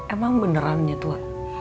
emang benerannya tua